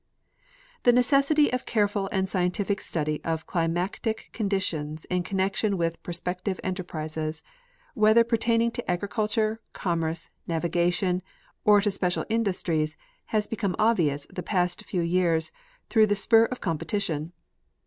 The necessity of careful and scientific study of climatic condi tions in connection with prospective enterprises, whether per taining to agriculture, commerce, navigation, or to special indus tries, has become obvious the past few years through the spur of competition.